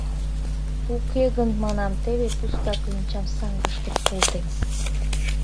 Уке гын, манам, теве пуста кленчам саҥгашкет колтем.